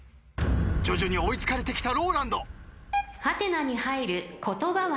徐々に追い付かれてきたＲＯＬＡＮＤ。